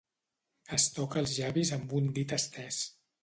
Es toca els llavis amb un dit estès.